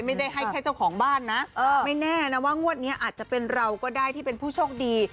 ไม่ได้ให้แค่เจ้าของบ้านนะไม่แน่นะว่างวดนี้อาจจะเป็นเราก็ได้ที่เป็นผู้โชคดี